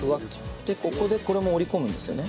でここでこれも折り込むんですよね。